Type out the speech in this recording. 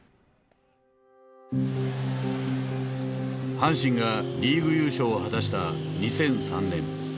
阪神がリーグ優勝を果たした２００３年。